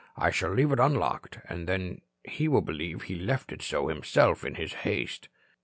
I shall leave it unlocked, and then he will believe he left it so himself in his haste."